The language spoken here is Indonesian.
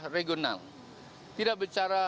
regional tidak bicara